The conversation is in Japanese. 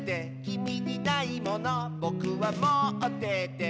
「きみにないものぼくはもってて」